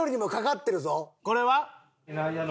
これは？